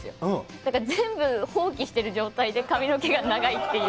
だから、全部放棄してる状態で、髪の毛が長いっていう。